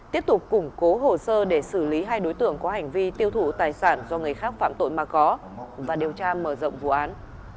tiếp tục củng cố hồ sơ để xử lý hai đối tượng có hành vi tiêu thụ tài sản do người khác phạm tội mà có và điều tra mở rộng vụ án